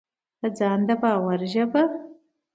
په ځان د باور ژبه: